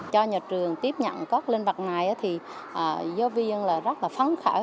cho nhà trường tiếp nhận các linh vật này thì giáo viên là rất là phán khảo